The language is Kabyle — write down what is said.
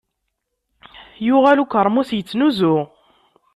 Yuɣal ukermus yettnuzu.